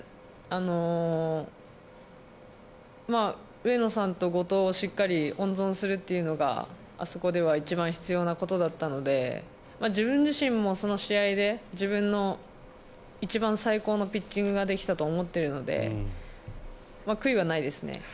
上野さんと後藤をしっかり温存するというのがあそこでは一番必要なことだったので自分自身もその試合で自分の一番最高のピッチングができたと思っているので悔いはないですね。